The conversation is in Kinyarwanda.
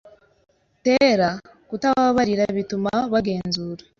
Tera kutababarira bituma bagenzura